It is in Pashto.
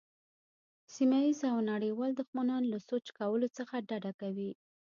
سیمه ییز او نړیوال دښمنان له سوچ کولو څخه ډډه کوي.